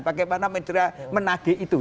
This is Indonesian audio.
bagaimana media menage itu